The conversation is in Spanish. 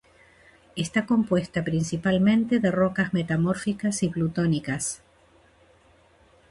Está compuesta principalmente de rocas metamórficas y plutónicas.